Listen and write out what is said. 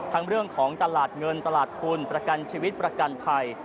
ทั้งเรื่องของตลาดเงินตลาดพุนภักดาชีวิตภักดาภัย